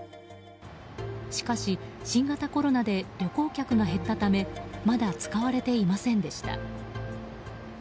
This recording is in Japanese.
しかし新型コロナで旅行客が減ったためまだ使われていませんでした。